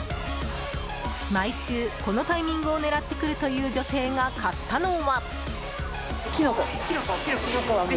毎週、このタイミングを狙って来るという女性が買ったのは。